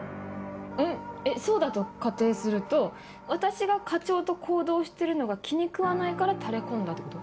んえっそうだと仮定すると私が課長と行動してるのが気に食わないからタレ込んだってこと？